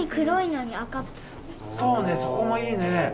そうねそこもいいね。